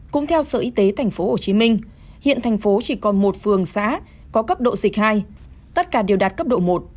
cũng theo sở y tế thành phố hồ chí minh hiện thành phố chỉ còn một phường xã có cấp độ dịch hai tất cả đều đạt cấp độ một